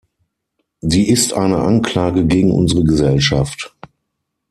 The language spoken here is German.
Sie ist eine Anklage gegen unsere Gesellschaft.